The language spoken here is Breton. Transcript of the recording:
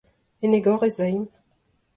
En egor ez aimp !